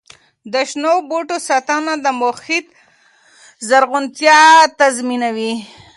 د شنو بوټو ساتنه د محیط زرغونتیا تضمینوي.